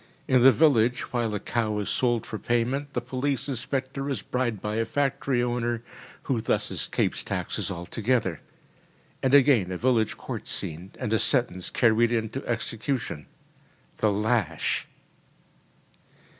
In the village, while a cow is sold for payment, the police inspector is bribed by a factory owner, who thus escapes taxes altogether. And again a village court scene, and a sentence carried into execution the lash!